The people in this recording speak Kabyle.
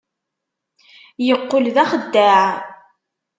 Yeqqel d axeddaε.